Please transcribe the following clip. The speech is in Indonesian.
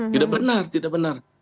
tidak benar tidak benar